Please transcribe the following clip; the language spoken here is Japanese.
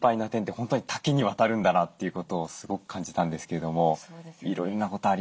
本当に多岐にわたるんだなということをすごく感じたんですけれどもいろいろなことありますね。